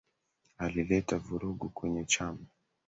Alileta vurugu kwenye chama